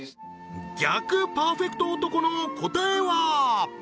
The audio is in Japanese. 逆パーフェクト男の答えは？